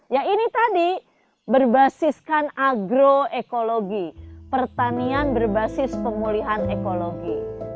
ya ini tadi berbasiskan agroekologi pertanian berbasis pemulihan ekologi